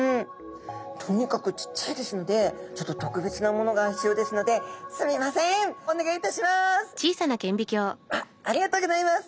とにかくちっちゃいですのでちょっと特別なものが必要ですのであっありがとうギョざいます！